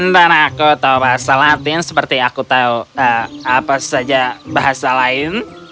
dan aku tahu bahasa latin seperti aku tahu eh apa saja bahasa lain